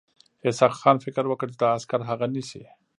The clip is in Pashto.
اسحق خان فکر وکړ چې دا عسکر هغه نیسي.